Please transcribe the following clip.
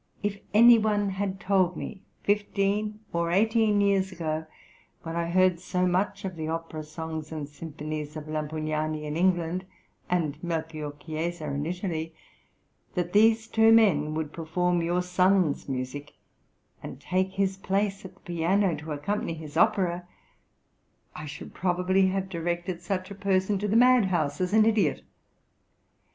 If any one had told me fifteen or eighteen years ago, when I heard so much of the opera songs and symphonies of Lampugnani in England, and Melchior Chiesa in Italy, that these two men would perform your son's music, and take his place at the piano to accompany his opera, I should probably have directed such a person to the madhouse as an idiot.